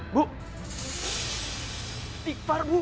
ibu ngapain sama dia